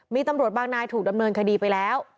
มีตำรวจบางนายถูกดำเนินคดีไปแล้ว